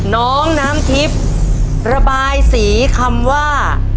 น้องน้ำทิพย์ระบายสีคำว่า